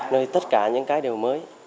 nơi tất cả những cái đều mới